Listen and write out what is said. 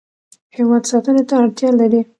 هیواد ساتنې ته اړتیا لري.